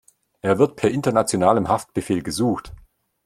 Er wird per internationalem Haftbefehl gesucht.